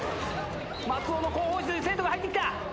松尾の広報室に生徒が入ってきた。